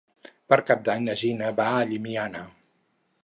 Per Cap d'Any na Gina va a Llimiana.